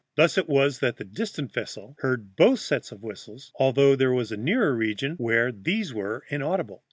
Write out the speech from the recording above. Thus it was that distant vessels heard both sets of whistles, although there was a nearer region where these were inaudible.